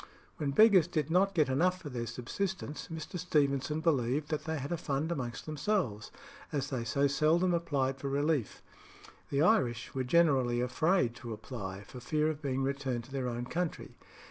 When beggars did not get enough for their subsistence, Mr. Stevenson believed that they had a fund amongst themselves, as they so seldom applied for relief. The Irish were generally afraid to apply, for fear of being returned to their own country.